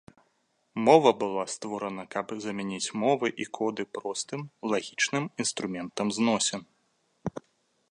Мова была створана каб замяніць мовы і коды простым, лагічным інструментам зносін.